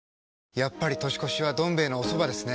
やっぱり年越しは「どん兵衛」のおそばですね。